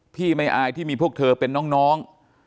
พี่ไม่อายที่มีพวกเธอเป็นน้อง